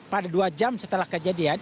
pada dua jam setelah kejadian